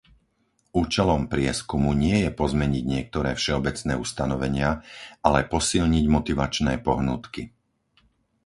Účelom prieskumu nie je pozmeniť niektoré všeobecné ustanovenia, ale posilniť motivačné pohnútky;